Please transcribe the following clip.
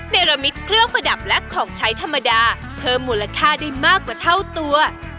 ในระมิตเครื่องประดับและของใช้ธรรมดาเพิ่มมูลค่าได้มากกว่าเท่าตัว